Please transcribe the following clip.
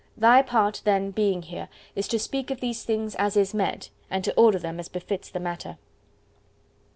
Thy part, then, being here, is to speak of these things as is meet, and to order them as befits the matter.